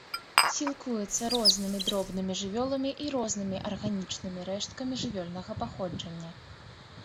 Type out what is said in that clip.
Сілкуецца рознымі дробнымі жывёламі і рознымі арганічнымі рэшткамі жывёльнага паходжання.